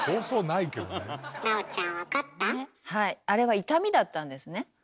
あれは痛みだったんですね。